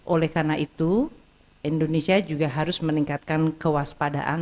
oleh karena itu indonesia juga harus meningkatkan kewaspadaan